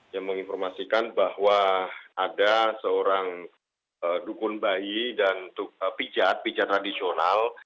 yang menginformasikan bahwa ada seorang dukun bayi dan pijat pijat tradisional